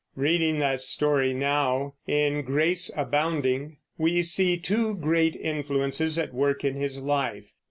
Reading that story now, in Grace Abounding, we see two great influences at work in his life.